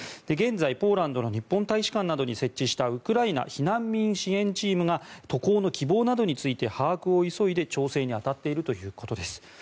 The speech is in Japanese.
現在、ポーランドの日本大使館などに設置したウクライナ避難民支援チームが渡航の希望などについて把握を急いで調整に当たっているということです。